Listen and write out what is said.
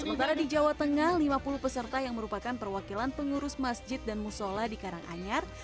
sementara di jawa tengah lima puluh peserta yang merupakan perwakilan pengurus masjid dan musola di karanganyar